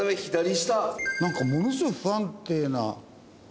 なんかものすごい不安定な。